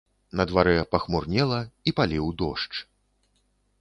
На дварэ пахмурнела і паліў дождж.